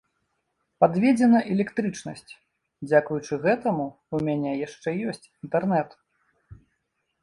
Падведзена электрычнасць, дзякуючы гэтаму ў мяне яшчэ ёсць інтэрнэт.